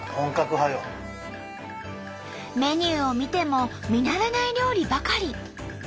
メニューを見ても見慣れない料理ばかり。